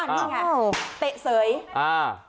อันนี้ไงเตะสวยอ่า